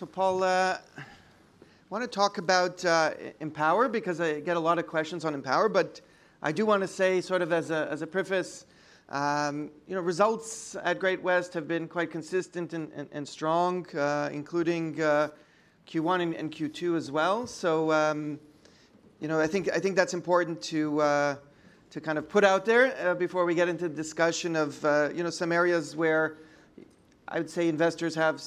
So Paul, I wanna talk about Empower because I get a lot of questions on Empower. But I do wanna say sort of as a preface, you know, results at Great-West have been quite consistent and strong, including Q1 and Q2 as well. So you know, I think that's important to kind of put out there before we get into the discussion of you know, some areas where I'd say investors have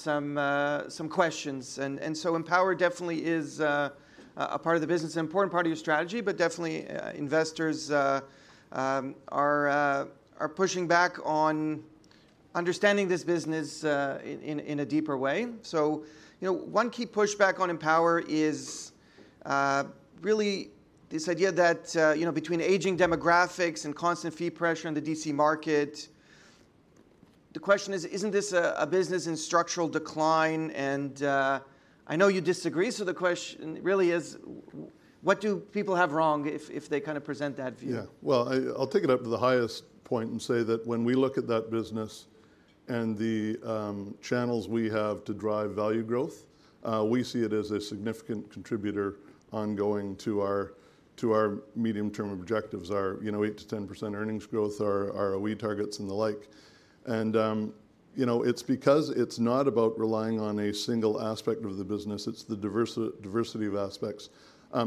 some questions. And so Empower definitely is a part of the business, an important part of your strategy, but definitely investors are pushing back on understanding this business in a deeper way. So, you know, one key pushback on Empower is really this idea that, you know, between aging demographics and constant fee pressure in the DC market, the question is, isn't this a business in structural decline? And, I know you disagree, so the question really is, what do people have wrong if they kind of present that view? Yeah. Well, I'll take it up to the highest point and say that when we look at that business and the channels we have to drive value growth, we see it as a significant contributor ongoing to our medium-term objectives, our 8% to 10% earnings growth, our ROE targets, and the like. And you know, it's because it's not about relying on a single aspect of the business, it's the diversity of aspects.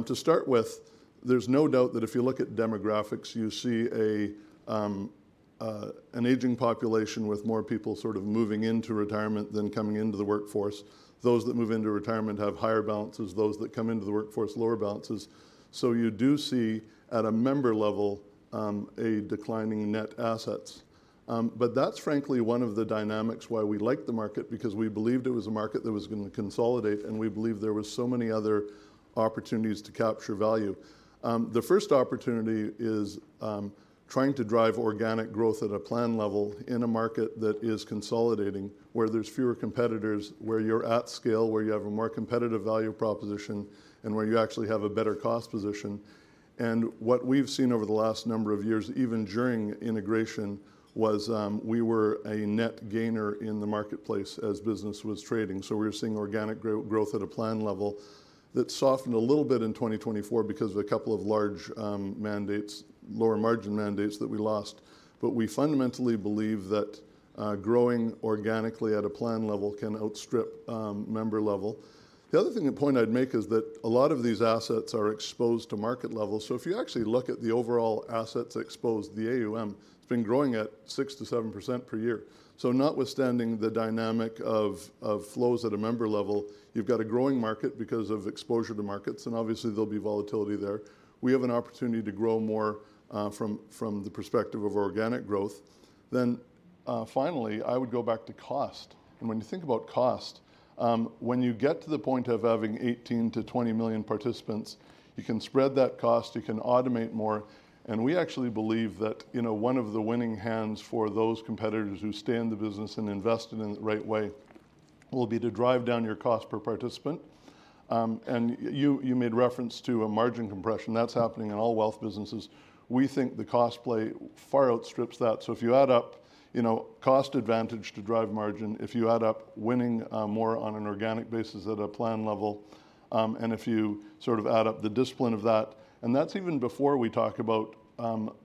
To start with, there's no doubt that if you look at demographics, you see an aging population with more people sort of moving into retirement than coming into the workforce. Those that move into retirement have higher balances, those that come into the workforce, lower balances. So you do see, at a member level, a declining net assets. But that's frankly one of the dynamics why we like the market, because we believed it was a market that was gonna consolidate, and we believed there were so many other opportunities to capture value. The first opportunity is trying to drive organic growth at a plan level in a market that is consolidating, where there's fewer competitors, where you're at scale, where you have a more competitive value proposition, and where you actually have a better cost position. And what we've seen over the last number of years, even during integration, was we were a net gainer in the marketplace as business was trading. So we were seeing organic growth at a plan level. That softened a little bit in 2024 because of a couple of large mandates, lower margin mandates that we lost. But we fundamentally believe that growing organically at a plan level can outstrip member level. The other thing, a point I'd make, is that a lot of these assets are exposed to market level. So if you actually look at the overall assets exposed, the AUM, it's been growing at 6% to 7% per year. So, notwithstanding the dynamic of flows at a member level, you've got a growing market because of exposure to markets, and obviously there'll be volatility there. We have an opportunity to grow more from the perspective of organic growth. Then, finally, I would go back to cost. And when you think about cost, when you get to the point of having 18 million to 20 million participants, you can spread that cost, you can automate more. And we actually believe that, you know, one of the winning hands for those competitors who stay in the business and invest in it in the right way, will be to drive down your cost per participant. And you made reference to a margin compression. That's happening in all wealth businesses. We think the cost play far outstrips that. So if you add up, you know, cost advantage to drive margin, if you add up winning more on an organic basis at a plan level, and if you sort of add up the discipline of that. And that's even before we talk about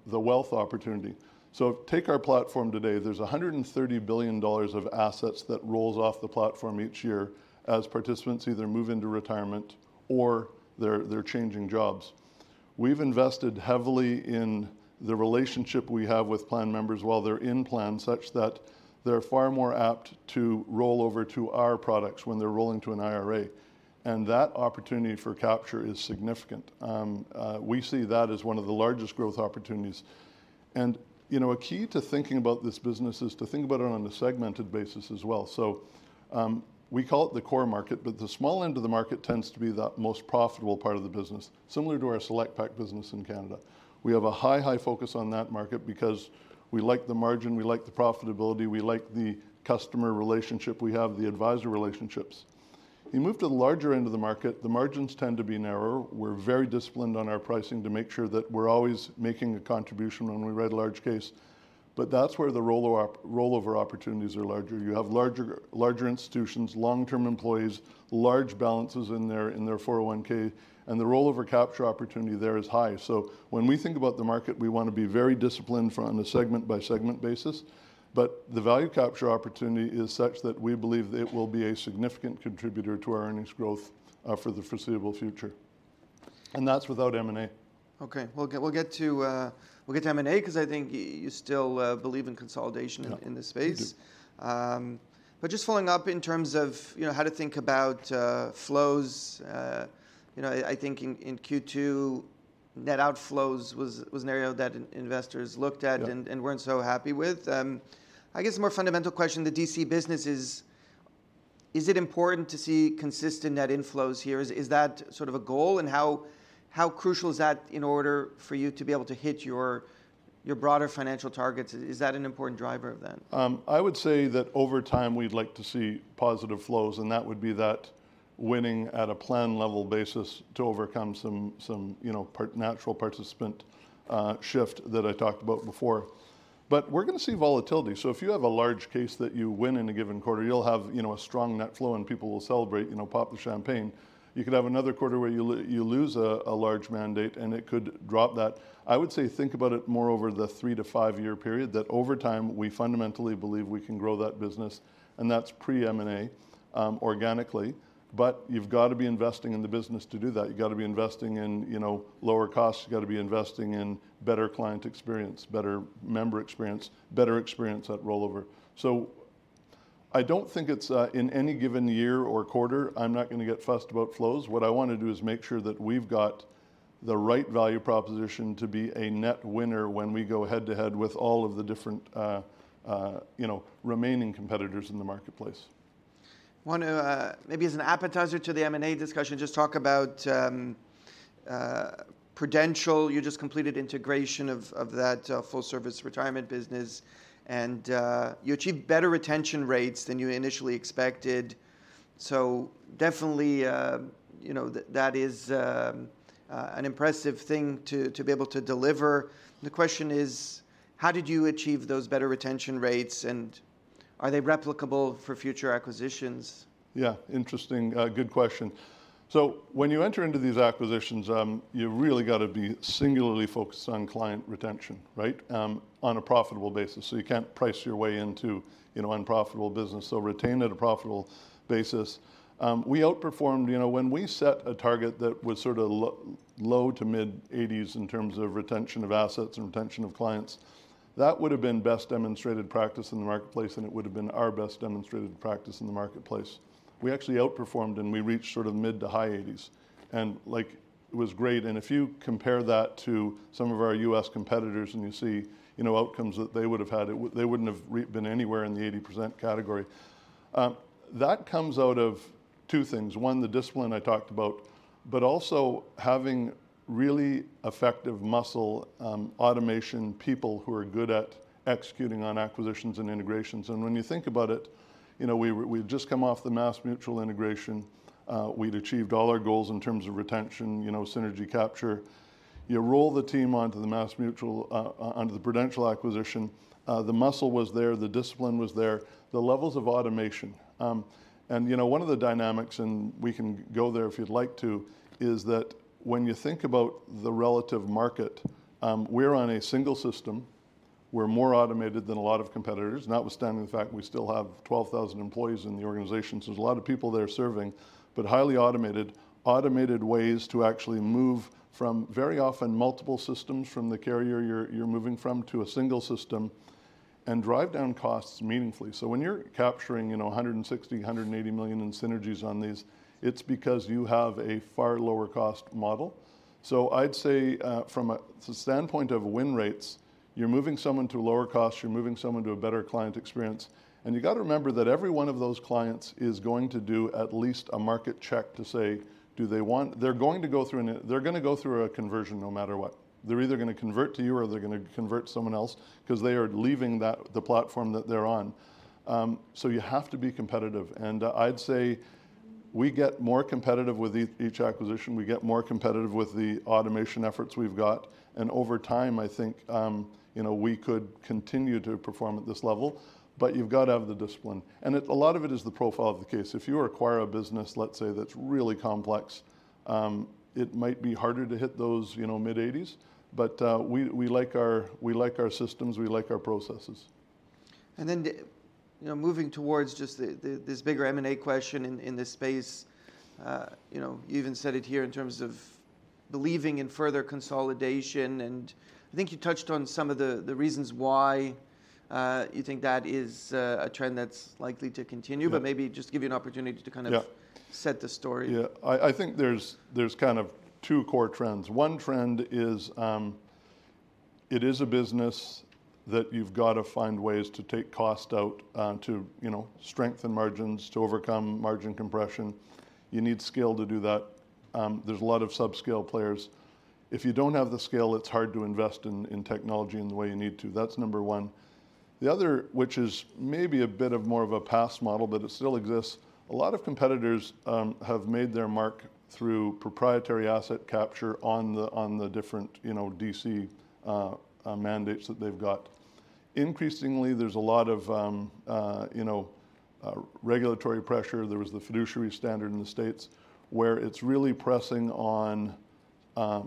the wealth opportunity. So take our platform today. There's 130 billion dollars of assets that rolls off the platform each year as participants either move into retirement or they're changing jobs. We've invested heavily in the relationship we have with plan members while they're in plan, such that they're far more apt to roll over to our products when they're rolling to an IRA, and that opportunity for capture is significant. We see that as one of the largest growth opportunities. And, you know, a key to thinking about this business is to think about it on a segmented basis as well. So, we call it the core market, but the small end of the market tends to be the most profitable part of the business, similar to our Selectpac business in Canada. We have a high, high focus on that market because we like the margin, we like the profitability, we like the customer relationship we have, the advisor relationships. You move to the larger end of the market, the margins tend to be narrower. We're very disciplined on our pricing to make sure that we're always making a contribution when we write a large case. But that's where the rollover opportunities are larger. You have larger institutions, long-term employees, large balances in their 401(k), and the rollover capture opportunity there is high. So when we think about the market, we want to be very disciplined from a segment-by-segment basis. But the value capture opportunity is such that we believe it will be a significant contributor to our earnings growth for the foreseeable future. And that's without M&A. Okay. We'll get to M&A because I think you still believe in consolidation- Yeah... in this space. We do. But just following up in terms of, you know, how to think about flows, you know, I think in Q2, net outflows was an area that investors looked at. Yeah... and weren't so happy with. I guess a more fundamental question, the DC business is it important to see consistent net inflows here? Is that sort of a goal? And how crucial is that in order for you to be able to hit your broader financial targets? Is that an important driver of that? I would say that over time we'd like to see positive flows, and that would be winning at a plan level basis to overcome some, you know, part natural participant shift that I talked about before. But we're gonna see volatility. So if you have a large case that you win in a given quarter, you'll have, you know, a strong net flow, and people will celebrate, you know, pop the champagne. You could have another quarter where you lose a large mandate, and it could drop that. I would say think about it more over the three to five-year period, that over time we fundamentally believe we can grow that business, and that's pre-M&A, organically. But you've got to be investing in the business to do that. You've got to be investing in, you know, lower costs. You've got to be investing in better client experience, better member experience, better experience at rollover. So I don't think it's in any given year or quarter, I'm not gonna get fussed about flows. What I want to do is make sure that we've got the right value proposition to be a net winner when we go head-to-head with all of the different, you know, remaining competitors in the marketplace. I want to maybe as an appetizer to the M&A discussion, just talk about Prudential. You just completed integration of that full-service retirement business, and you achieved better retention rates than you initially expected. So definitely you know that is an impressive thing to be able to deliver. The question is, how did you achieve those better retention rates, and are they replicable for future acquisitions? Yeah, interesting. Good question. So when you enter into these acquisitions, you've really got to be singularly focused on client retention, right, on a profitable basis. So you can't price your way into, you know, unprofitable business, so retain at a profitable basis. We outperformed. You know, when we set a target that was sort of low- to mid-80s in terms of retention of assets and retention of clients, that would've been best demonstrated practice in the marketplace, and it would've been our best demonstrated practice in the marketplace. We actually outperformed, and we reached sort of mid- to high 80s, and, like, it was great. And if you compare that to some of our U.S. competitors and you see, you know, outcomes that they would've had, they wouldn't have been anywhere in the 80% category. That comes out of two things: one, the discipline I talked about, but also having really effective muscle, automation, people who are good at executing on acquisitions and integrations. And when you think about it, you know, we'd just come off the MassMutual integration. We'd achieved all our goals in terms of retention, you know, synergy capture. You roll the team onto the MassMutual under the Prudential acquisition, the muscle was there, the discipline was there, the levels of automation. And you know, one of the dynamics, and we can go there if you'd like to, is that when you think about the relative market, we're on a single system. We're more automated than a lot of competitors, notwithstanding the fact we still have 12,000 employees in the organization, so there's a lot of people there serving, but highly automated. Automated ways to actually move from very often multiple systems from the carrier you're moving from to a single system and drive down costs meaningfully. So when you're capturing, you know, 160 million/CAD 180 million in synergies on these, it's because you have a far lower cost model. So I'd say from a standpoint of win rates, you're moving someone to a lower cost, you're moving someone to a better client experience, and you've got to remember that every one of those clients is going to do at least a market check to say, do they want. They're going to go through a conversion no matter what. They're either going to convert to you, or they're going to convert to someone else because they are leaving that, the platform that they're on. You have to be competitive, and I'd say we get more competitive with each acquisition. We get more competitive with the automation efforts we've got, and over time, I think, you know, we could continue to perform at this level. But you've got to have the discipline, and a lot of it is the profile of the case. If you acquire a business, let's say, that's really complex, it might be harder to hit those, you know, mid-80s, but we like our systems, we like our processes. And then the, you know, moving towards just the this bigger M&A question in this space, you know, you even said it here in terms of believing in further consolidation, and I think you touched on some of the reasons why, you think that is a trend that's likely to continue. Yeah. But maybe just give you an opportunity to kind of- Yeah... set the story. Yeah. I think there's kind of two core trends. One trend is, it is a business that you've got to find ways to take cost out, to, you know, strengthen margins. To overcome margin compression, you need scale to do that. There's a lot of sub-scale players. If you don't have the scale, it's hard to invest in technology in the way you need to. That's number one. The other, which is maybe a bit more of a past model, but it still exists, a lot of competitors have made their mark through proprietary asset capture on the different, you know, DC mandates that they've got. Increasingly, there's a lot of, you know, regulatory pressure. There was the fiduciary standard in the States, where it's really pressing on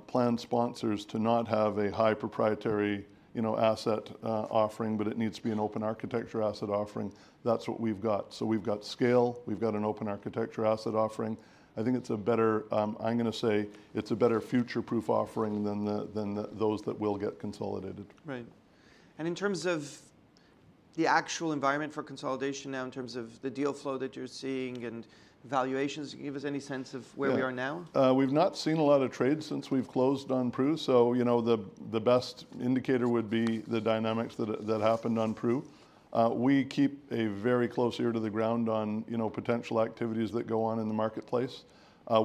plan sponsors to not have a high proprietary, you know, asset offering, but it needs to be an open architecture asset offering. That's what we've got. So we've got scale, we've got an open architecture asset offering. I think it's a better. I'm gonna say it's a better future-proof offering than those that will get consolidated. Right. And in terms of the actual environment for consolidation now, in terms of the deal flow that you're seeing and valuations, can you give us any sense of where we are now? Yeah. We've not seen a lot of trade since we've closed on Pru, so, you know, the best indicator would be the dynamics that happened on Pru. We keep a very close ear to the ground on, you know, potential activities that go on in the marketplace.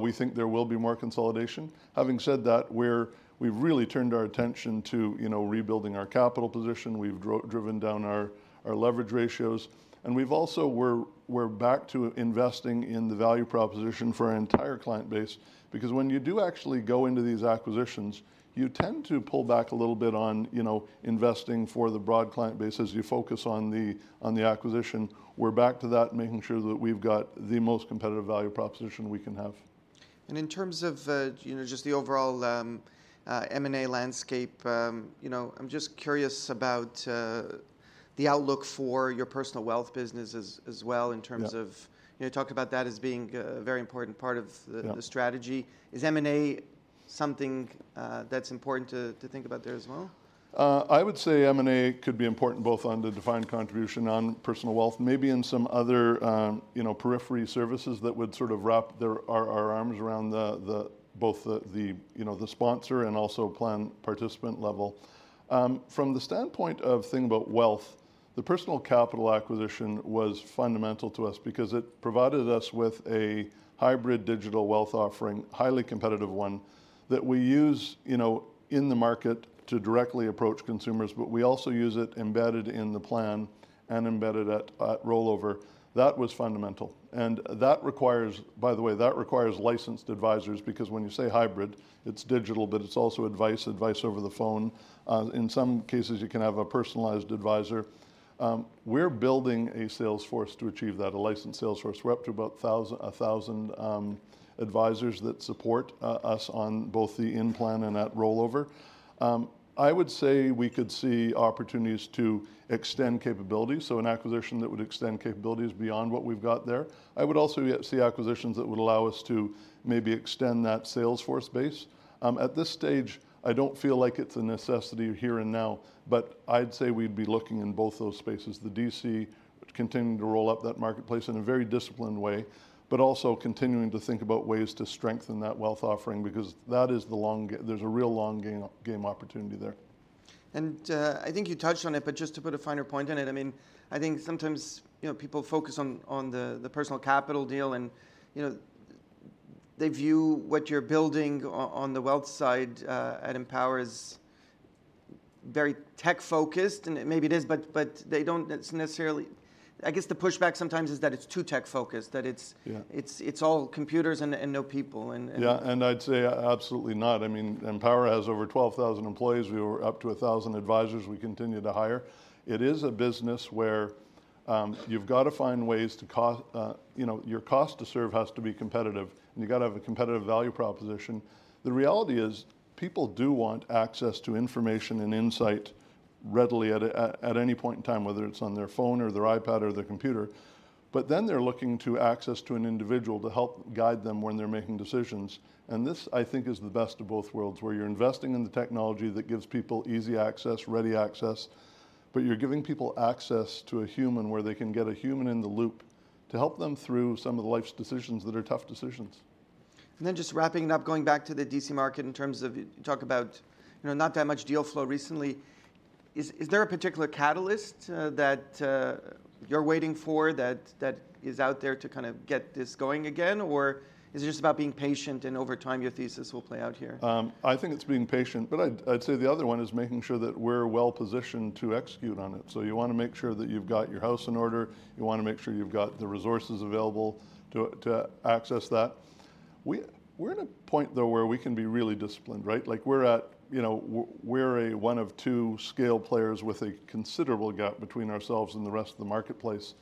We think there will be more consolidation. Having said that, we've really turned our attention to, you know, rebuilding our capital position. We've driven down our leverage ratios, and we've also. We're back to investing in the value proposition for our entire client base. Because when you do actually go into these acquisitions, you tend to pull back a little bit on, you know, investing for the broad client base as you focus on the acquisition. We're back to that, and making sure that we've got the most competitive value proposition we can have. And in terms of, you know, just the overall M&A landscape, you know, I'm just curious about the outlook for your personal wealth business as well, in terms of- Yeah... you talked about that as being a very important part of the- Yeah... the strategy. Is M&A something that's important to think about there as well? I would say M&A could be important both on the defined contribution, on personal wealth, maybe in some other, you know, periphery services that would sort of wrap our arms around both the sponsor and also plan participant level. From the standpoint of thinking about wealth, the Personal Capital acquisition was fundamental to us because it provided us with a hybrid digital wealth offering, highly competitive one, that we use, you know, in the market to directly approach consumers, but we also use it embedded in the plan and embedded at rollover. That was fundamental, and that requires, by the way, that requires licensed advisors because when you say hybrid, it's digital, but it's also advice over the phone. In some cases, you can have a personalized advisor. We're building a sales force to achieve that, a licensed sales force. We're up to about 1,000 advisors that support us on both the in-plan and at rollover. I would say we could see opportunities to extend capabilities, so an acquisition that would extend capabilities beyond what we've got there. I would also yet see acquisitions that would allow us to maybe extend that sales force base. At this stage, I don't feel like it's a necessity here and now, but I'd say we'd be looking in both those spaces, the DC, continuing to roll up that marketplace in a very disciplined way, but also continuing to think about ways to strengthen that wealth offering, because that is the long game. There's a real long game opportunity there. I think you touched on it, but just to put a finer point on it. I mean, I think sometimes, you know, people focus on the Personal Capital deal and, you know, they view what you're building on the wealth side at Empower as very tech focused, and maybe it is, but they don't... It's necessarily- I guess, the pushback sometimes is that it's too tech focused, that it's- Yeah... it's all computers and no people, and... Yeah, and I'd say absolutely not. I mean, Empower has over 12,000 employees. We were up to 1,000 advisors. We continue to hire. It is a business where you've got to find ways to, you know, your cost to serve has to be competitive, and you've got to have a competitive value proposition. The reality is, people do want access to information and insight readily at any point in time, whether it's on their phone or their iPad or their computer. But then they're looking to access to an individual to help guide them when they're making decisions, and this, I think, is the best of both worlds, where you're investing in the technology that gives people easy access, ready access, but you're giving people access to a human, where they can get a human in the loop to help them through some of the life's decisions that are tough decisions. And then just wrapping it up, going back to the DC market in terms of... you talk about, you know, not that much deal flow recently. Is there a particular catalyst that you're waiting for, that is out there to kind of get this going again, or is it just about being patient and over time your thesis will play out here? I think it's being patient, but I'd say the other one is making sure that we're well-positioned to execute on it. So you wanna make sure that you've got your house in order, you wanna make sure you've got the resources available to access that. We're at a point, though, where we can be really disciplined, right? Like, we're at, you know... We're a one of two scale players with a considerable gap between ourselves and the rest of the marketplace.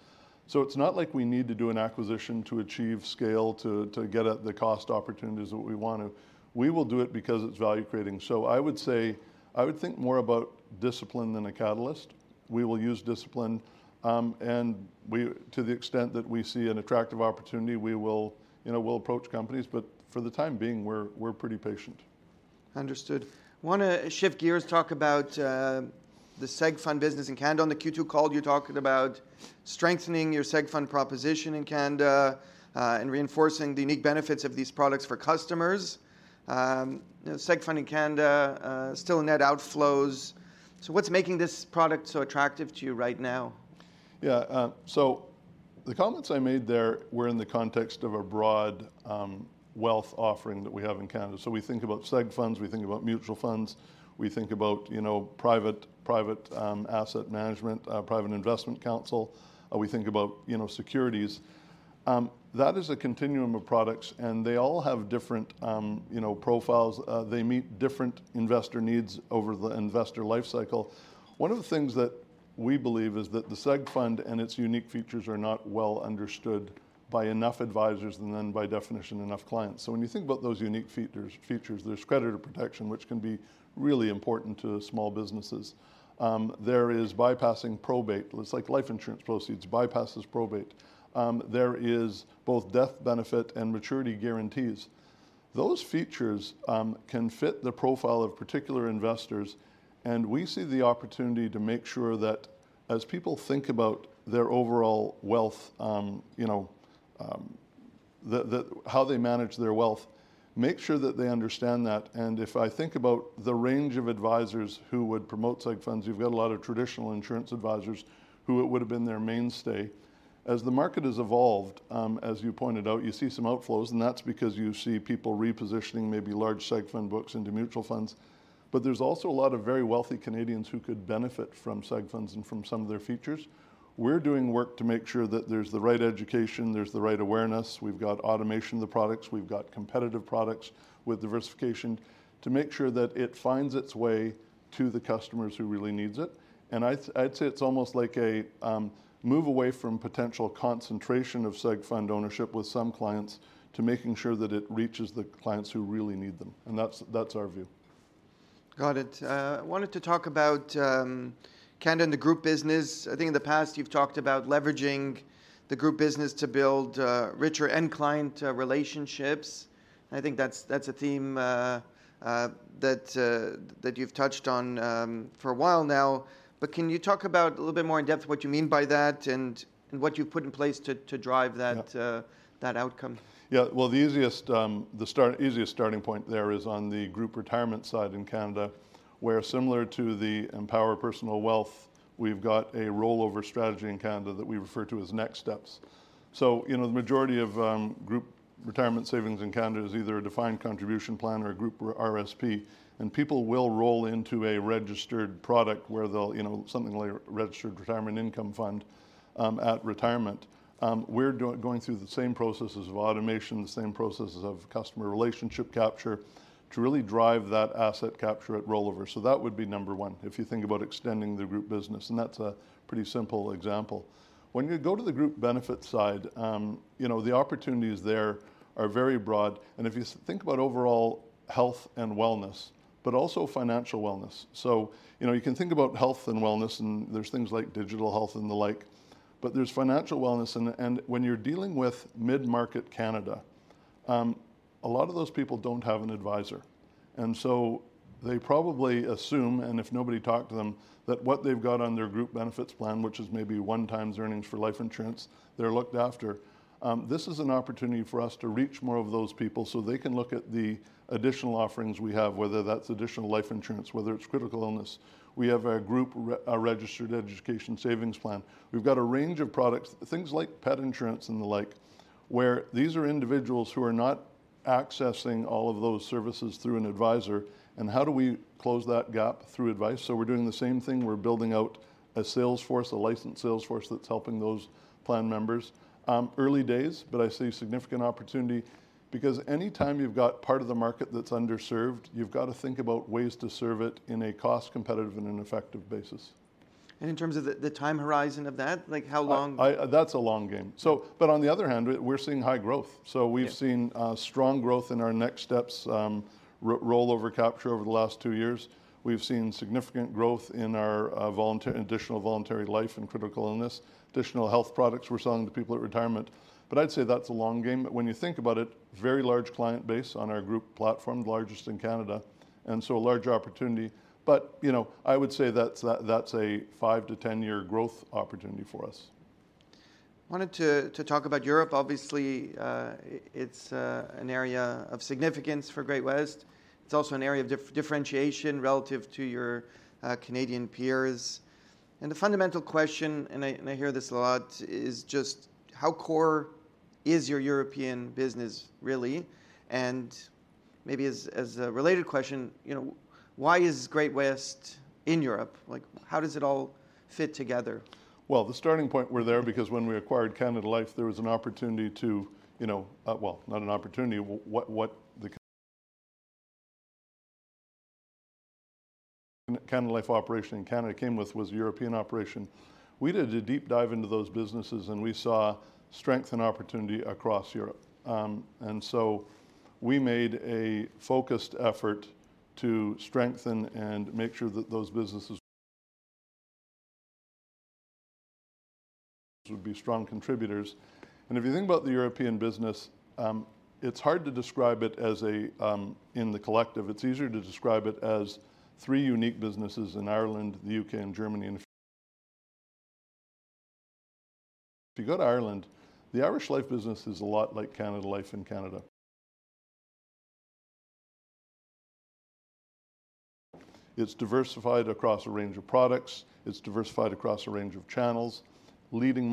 So it's not like we need to do an acquisition to achieve scale, to get at the cost opportunities that we want to. We will do it because it's value-creating. So I would say, I would think more about discipline than a catalyst. We will use discipline, and we, to the extent that we see an attractive opportunity, we will, you know, we'll approach companies, but for the time being, we're pretty patient. Understood. Wanna shift gears, talk about the seg fund business in Canada. On the Q2 call, you talked about strengthening your seg fund proposition in Canada, and reinforcing the unique benefits of these products for customers. You know, seg fund in Canada still net outflows. So what's making this product so attractive to you right now? Yeah, so the comments I made there were in the context of a broad, wealth offering that we have in Canada. So we think about seg funds, we think about mutual funds, we think about, you know, private asset management, private investment counsel, we think about, you know, securities. That is a continuum of products, and they all have different, you know, profiles. They meet different investor needs over the investor life cycle. One of the things that we believe is that the seg fund and its unique features are not well understood by enough advisors, and then by definition, enough clients. So when you think about those unique features, there's creditor protection, which can be really important to small businesses. There is bypassing probate. It's like life insurance proceeds, bypasses probate. There is both death benefit and maturity guarantees. Those features can fit the profile of particular investors, and we see the opportunity to make sure that as people think about their overall wealth, you know, how they manage their wealth. Make sure that they understand that, and if I think about the range of advisors who would promote seg funds, you've got a lot of traditional insurance advisors who it would've been their mainstay. As the market has evolved, as you pointed out, you see some outflows, and that's because you see people repositioning maybe large seg fund books into mutual funds, but there's also a lot of very wealthy Canadians who could benefit from seg funds and from some of their features. We're doing work to make sure that there's the right education, there's the right awareness, we've got automation of the products, we've got competitive products with diversification, to make sure that it finds its way to the customers who really needs it. And I'd, I'd say it's almost like a move away from potential concentration of seg fund ownership with some clients, to making sure that it reaches the clients who really need them. And that's, that's our view. Got it. I wanted to talk about Canada and the group business. I think in the past, you've talked about leveraging the group business to build richer end-client relationships. I think that's, that's a theme that that you've touched on for a while now. But can you talk about a little bit more in depth what you mean by that, and what you've put in place to drive that. Yeah... that outcome? Yeah. Well, the easiest starting point there is on the group retirement side in Canada, where similar to the Empower Personal Wealth, we've got a rollover strategy in Canada that we refer to as NextStep. So, you know, the majority of group retirement savings in Canada is either a defined contribution plan or a group RRSP, and people will roll into a registered product where they'll, you know, something like a Registered Retirement Income Fund at retirement. We're going through the same processes of automation, the same processes of customer relationship capture, to really drive that asset capture at rollover. So that would be number one, if you think about extending the group business, and that's a pretty simple example. When you go to the group benefit side, you know, the opportunities there are very broad, and if you think about overall health and wellness, but also financial wellness. So, you know, you can think about health and wellness, and there's things like digital health and the like, but there's financial wellness. And when you're dealing with mid-market Canada, a lot of those people don't have an advisor. And so they probably assume, and if nobody talked to them, that what they've got on their group benefits plan, which is maybe 1x earnings for life insurance, they're looked after. This is an opportunity for us to reach more of those people so they can look at the additional offerings we have, whether that's additional life insurance, whether it's critical illness. We have a group Registered Education Savings Plan. We've got a range of products, things like pet insurance and the like, where these are individuals who are not accessing all of those services through an advisor, and how do we close that gap through advice? So we're doing the same thing. We're building out a sales force, a licensed sales force, that's helping those plan members. Early days, but I see significant opportunity because any time you've got part of the market that's underserved, you've got to think about ways to serve it in a cost-competitive and an effective basis. And in terms of the time horizon of that, like, how long- That's a long game. So, but on the other hand, we're seeing high growth. Yeah. So we've seen strong growth in our NextStep rollover capture over the last two years. We've seen significant growth in our voluntary additional voluntary life and critical illness additional health products we're selling to people at retirement. But I'd say that's a long game. But when you think about it, very large client base on our group platform, the largest in Canada, and so a large opportunity. But you know, I would say that's a 5 to 10 year growth opportunity for us. Wanted to talk about Europe. Obviously, it's an area of significance for Great-West. It's also an area of differentiation relative to your Canadian peers. And the fundamental question, and I hear this a lot, is just: How core is your European business, really? And maybe as a related question, you know: Why is Great-West in Europe? Like, how does it all fit together? The starting point, we're there because when we acquired Canada Life, there was an opportunity to, you know, not an opportunity, what the Canada Life operation in Canada came with was a European operation. We did a deep dive into those businesses, and we saw strength and opportunity across Europe. And so we made a focused effort to strengthen and make sure that those businesses would be strong contributors. If you think about the European business, it's hard to describe it as a in the collective. It's easier to describe it as three unique businesses in Ireland, the UK, and Germany. If you go to Ireland, the Irish Life business is a lot like Canada Life in Canada. It's diversified across a range of products, it's diversified across a range of channels, leading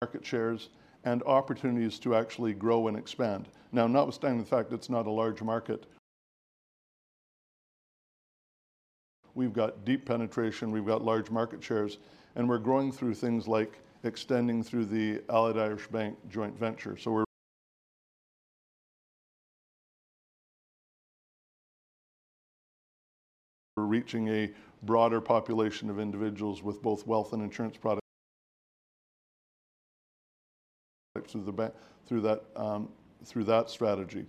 market shares, and opportunities to actually grow and expand. Now, notwithstanding the fact that it's not a large market, we've got deep penetration, we've got large market shares, and we're growing through things like extending through the Allied Irish Bank joint venture. So we're reaching a broader population of individuals with both wealth and insurance products through that strategy.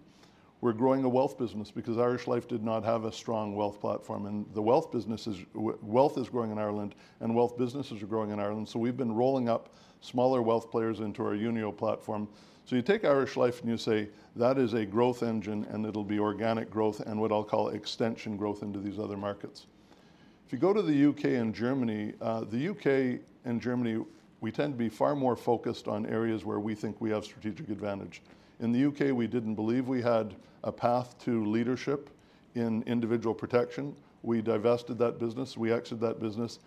We're growing a wealth business because Irish Life did not have a strong wealth platform, and the wealth business is wealth is growing in Ireland, and wealth businesses are growing in Ireland. So we've been rolling up smaller wealth players into our Unio platform. So you take Irish Life and you say, "That is a growth engine," and it'll be organic growth and what I'll call extension growth into these other markets.... If you go to the UK and Germany, the UK and Germany, we tend to be far more focused on areas where we think we have strategic advantage. In the UK, we didn't believe we had a path to leadership in individual protection. We divested that business, we exited that business,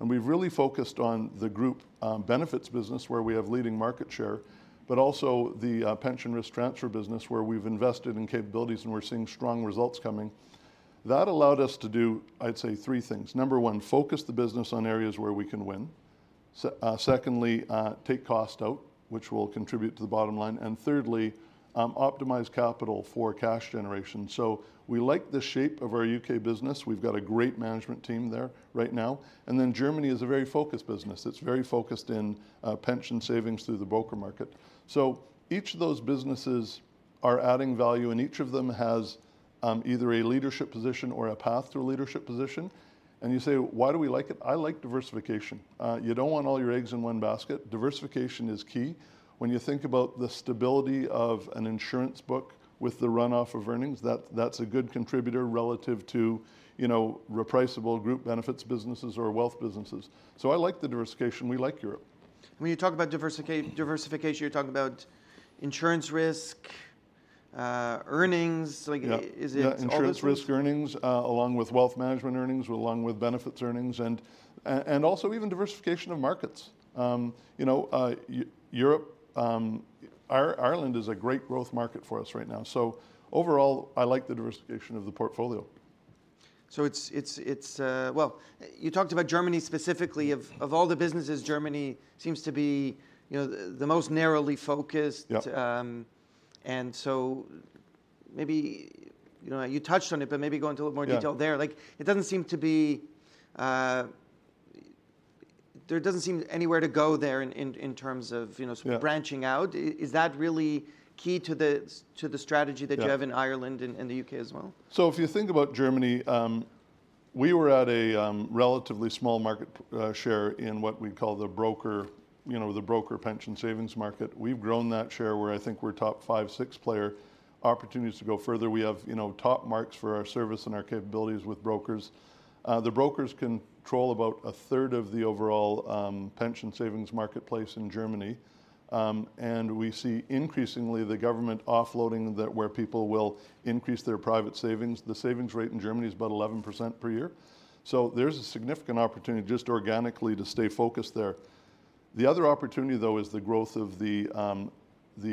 and we've really focused on the group benefits business, where we have leading market share, but also the pension risk transfer business, where we've invested in capabilities and we're seeing strong results coming. That allowed us to do, I'd say, three things: number one, focus the business on areas where we can win. Secondly, take cost out, which will contribute to the bottom line. And thirdly, optimize capital for cash generation. So we like the shape of our UK business. We've got a great management team there right now. And then Germany is a very focused business. It's very focused in pension savings through the broker market. So each of those businesses are adding value, and each of them has either a leadership position or a path to a leadership position. And you say, "Why do we like it?" I like diversification. You don't want all your eggs in one basket. Diversification is key. When you think about the stability of an insurance book with the runoff of earnings, that, that's a good contributor relative to, you know, repricable group benefits businesses or wealth businesses. So I like the diversification. We like Europe. When you talk about diversification, you're talking about insurance risk, earnings, like- Yeah... is it all those things? Yeah, insurance risk earnings along with wealth management earnings, along with benefits earnings, and also even diversification of markets. You know, Europe, Ireland is a great growth market for us right now. So overall, I like the diversification of the portfolio. So it's... Well, you talked about Germany specifically. Of all the businesses, Germany seems to be, you know, the most narrowly focused. Yep. And so maybe, you know, you touched on it, but maybe go into a little more detail there. Yeah. Like, it doesn't seem to be, there doesn't seem anywhere to go there in terms of, you know- Yeah... branching out. Is that really key to the strategy- Yeah... that you have in Ireland and the UK as well? So if you think about Germany, we were at a relatively small market share in what we'd call the broker, you know, the broker pension savings market. We've grown that share where I think we're top five, six player. Opportunities to go further, we have, you know, top marks for our service and our capabilities with brokers. The brokers control about a third of the overall pension savings marketplace in Germany, and we see increasingly the government offloading that where people will increase their private savings. The savings rate in Germany is about 11% per year, so there's a significant opportunity just organically to stay focused there. The other opportunity, though, is the growth of the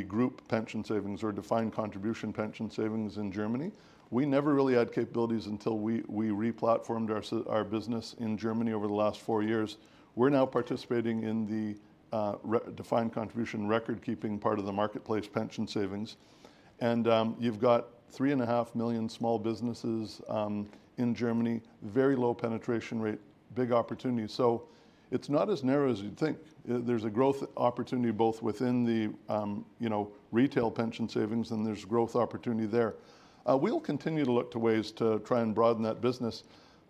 group pension savings or defined contribution pension savings in Germany. We never really had capabilities until we re-platformed our business in Germany over the last four years. We're now participating in the defined contribution recordkeeping part of the marketplace pension savings. And you've got 3.5 million small businesses in Germany, very low penetration rate, big opportunity. So it's not as narrow as you'd think. There's a growth opportunity both within the, you know, retail pension savings, and there's growth opportunity there. We'll continue to look to ways to try and broaden that business,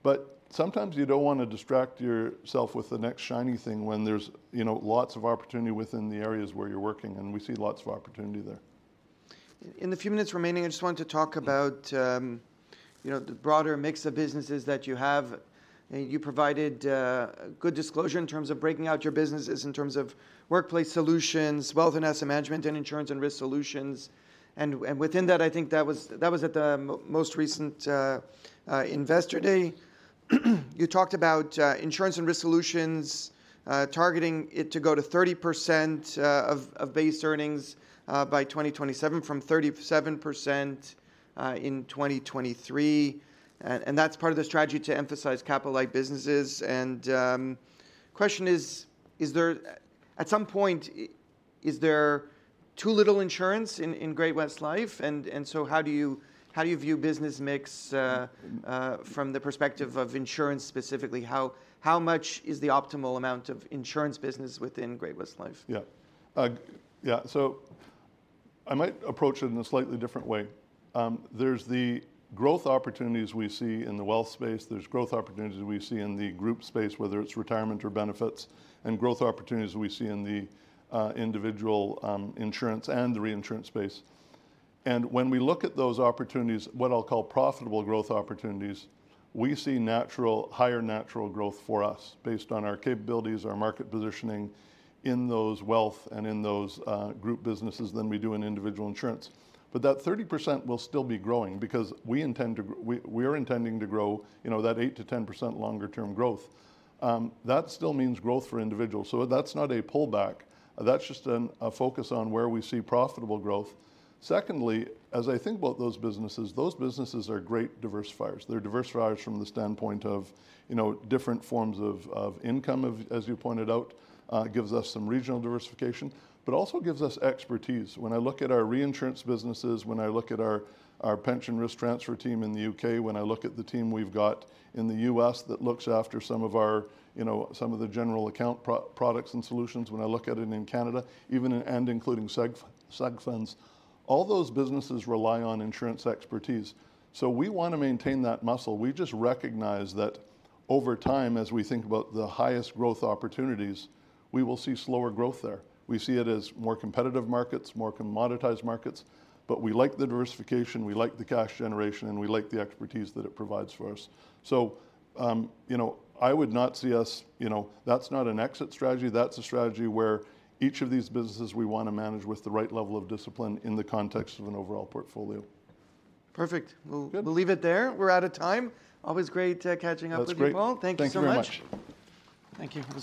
but sometimes you don't wanna distract yourself with the next shiny thing when there's, you know, lots of opportunity within the areas where you're working, and we see lots of opportunity there. In the few minutes remaining, I just wanted to talk about, you know, the broader mix of businesses that you have. You provided good disclosure in terms of breaking out your businesses, in terms of workplace solutions, wealth and asset management, and insurance and risk solutions. And within that, I think that was that was at the most recent investor day. You talked about insurance and risk solutions targeting it to go to 30% of base earnings by 2027, from 37% in 2023. And that's part of the strategy to emphasize capital light businesses. And question is: is there, at some point, is there too little insurance in Great-West Lifeco? And so how do you view business mix from the perspective of insurance specifically? How much is the optimal amount of insurance business within Great-West Life? Yeah. Yeah, so I might approach it in a slightly different way. There's the growth opportunities we see in the wealth space, there's growth opportunities we see in the group space, whether it's retirement or benefits, and growth opportunities we see in the individual insurance and the reinsurance space. And when we look at those opportunities, what I'll call profitable growth opportunities, we see higher natural growth for us based on our capabilities, our market positioning in those wealth and in those group businesses than we do in individual insurance. But that 30% will still be growing because we intend to, we're intending to grow, you know, that 8% to 10% longer term growth. That still means growth for individuals, so that's not a pullback. That's just a focus on where we see profitable growth. Secondly, as I think about those businesses, those businesses are great diversifiers. They're diversifiers from the standpoint of, you know, different forms of income, as you pointed out. It gives us some regional diversification, but also gives us expertise. When I look at our reinsurance businesses, when I look at our pension risk transfer team in the UK, when I look at the team we've got in the U.S. that looks after some of our, you know, some of the general account products and solutions, when I look at it in Canada, even, and including seg funds, all those businesses rely on insurance expertise. So we wanna maintain that muscle. We just recognize that over time, as we think about the highest growth opportunities, we will see slower growth there. We see it as more competitive markets, more commoditized markets. But we like the diversification, we like the cash generation, and we like the expertise that it provides for us. So, you know, I would not see us... You know, that's not an exit strategy. That's a strategy where each of these businesses we wanna manage with the right level of discipline in the context of an overall portfolio. Perfect. Good. We'll leave it there. We're out of time. Always great catching up with you, Paul. Thank you so much. That's great. Thank you so much.